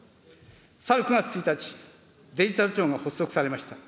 去る９月１日、デジタル庁が発足されました。